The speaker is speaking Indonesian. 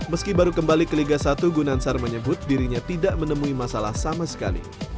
meski baru kembali ke liga satu gunansar menyebut dirinya tidak menemui masalah sama sekali